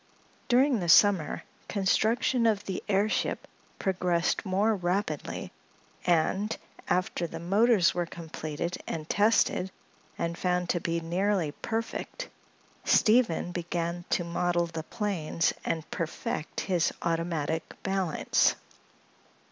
During the summer construction of the airship progressed more rapidly and, after the motors were completed and tested and found to be nearly perfect, Steve began to model the planes and perfect his automatic balance.